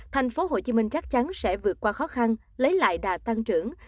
thành phố hồ chí minh chắc chắn sẽ vượt qua khó khăn lấy lại đà tăng trưởng